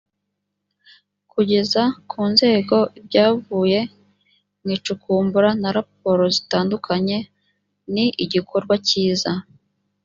kugeza ku nzego ibyavuye mu icukumbura na raporo zitandukanye ni igikorwa cyiza